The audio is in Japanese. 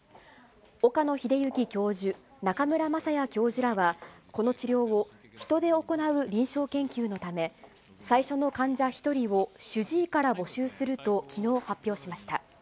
岡野栄之教授、中村雅也教授らは、この治療をヒトで行う臨床研究のため、最初の患者１人を主治医から募集するときのう発表しました。